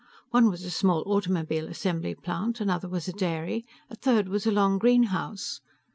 One was a small automobile assembly plant, another was a dairy, a third was a long greenhouse.